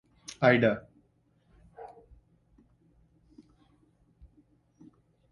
Ida.